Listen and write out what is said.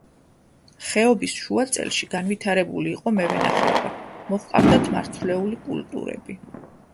ხეობის შუაწელში განვითარებული იყო მევენახეობა, მოჰყავდათ მარცვლეული კულტურები.